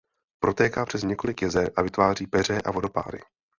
Protéká přes několik jezer a vytváří peřeje a vodopády.